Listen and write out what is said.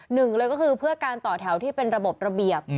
หนึ่งเลยก็คือเพื่อการต่อแถวที่เป็นระบบระเบียบ